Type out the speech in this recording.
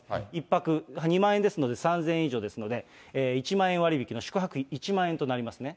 １泊２万円ですので、３０００円以上ですので、１万円割引の宿泊１万円となりますね。